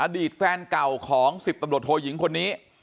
อดีตแฟนเก่าของ๑๐ตำรวจโทยิงคนนี้